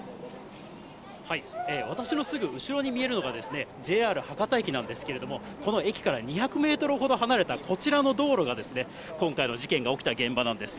私のすぐ後ろに見えるのが、ＪＲ博多駅なんですけれども、この駅から２００メートルほど離れたこちらの道路が、今回の事件が起きた現場なんです。